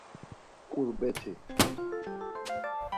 ǩurbeti.